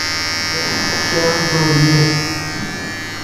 شاَ خ دور پے°